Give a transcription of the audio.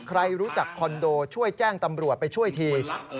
ใครรู้จักคอนโดช่วยแจ้งตำรวจไปช่วยที